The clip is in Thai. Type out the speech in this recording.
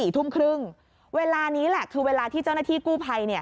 ๔ทุ่มครึ่งเวลานี้แหละคือเวลาที่เจ้าหน้าที่กู้ภัย